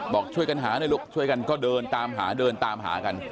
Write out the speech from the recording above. บอกช่วยกันหาหน่อยลูกช่วยกันก็เดินตามหาเดินตามหากัน